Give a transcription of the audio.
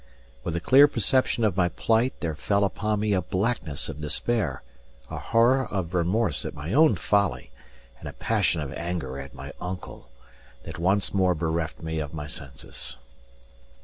With the clear perception of my plight, there fell upon me a blackness of despair, a horror of remorse at my own folly, and a passion of anger at my uncle, that once more bereft me of my senses.